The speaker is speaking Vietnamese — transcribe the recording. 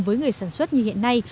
với người sản xuất như hiện nay